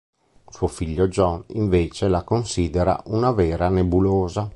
Suo figlio John invece la considera una vera nebulosa.